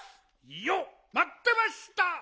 いよっまってました！